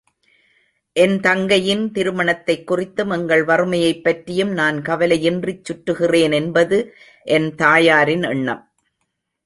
என் தங்கையின் திருமணத்தைக் குறித்தும், எங்கள் வறுமையைப் பற்றியும், நான் கவலையின்றிச் சுற்றுகிறேனென்பது என் தாயாரின் எண்ணம்.